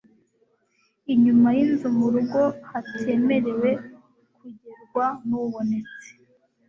Inyuma y'inzu mu rugo hatemerewe kugerwa n'ubonetse